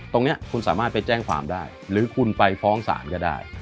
ตรงนี้คุณสามารถไปแจ้งความได้หรือคุณไปฟ้องศาลก็ได้